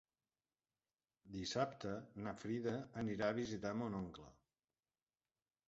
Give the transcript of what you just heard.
Dissabte na Frida anirà a visitar mon oncle.